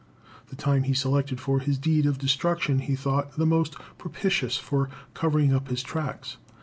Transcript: The time he selected for his deed of destruction he thought the most propitious for covering up his tracks.